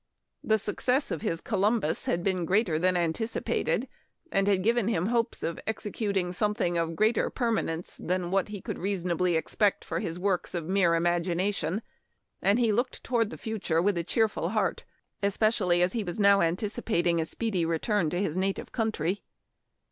The success of his " Columbus " had been greater than anticipated, and had given him hopes of executing something of greater perma nence than what he could reasonably expect for his works of mere imagination ; and he looked toward the future with a cheerful heart, es pecially as he now was anticipating a speedy return to his native country.